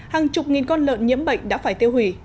hàng chục nghìn con lợn nhiễm bệnh đã phải tiêu hủy